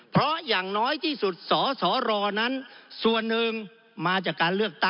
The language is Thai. เพราะอย่างน้อยที่สุดสสรนั้นส่วนหนึ่งมาจากการเลือกตั้ง